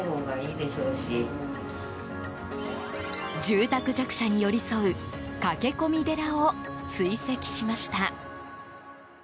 住宅弱者に寄り添う駆け込み寺を追跡しました。